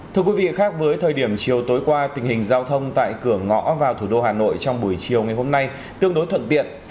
thưa quý vị khác với thời điểm chiều tối qua tình hình giao thông tại cửa ngõ vào thủ đô hà nội trong buổi chiều ngày hôm nay tương đối thuận tiện